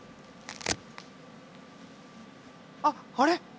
あっあれ？